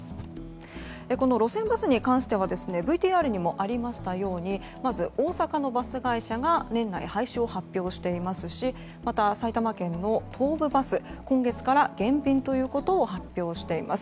この路線バスに関してはＶＴＲにもありましたようにまず大阪のバス会社が年内廃止を発表していますしまた埼玉県の東武バス今月から減便ということを発表しています。